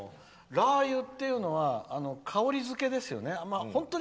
ラーユっていうのは香り付けですよね。